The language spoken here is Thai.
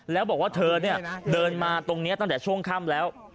แล้วบอกว่าเธอเดินมาตรงนี้ตั้งแต่ช่วงค่ำแล้ว